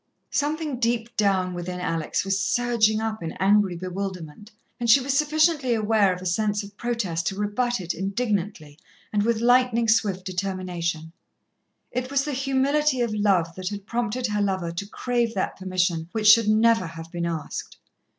Something deep down within Alex was surging up in angry bewilderment, and she was sufficiently aware of a sense of protest to rebut it indignantly and with lightning swift determination. It was the humility of love that had prompted her lover to crave that permission which should never have been asked.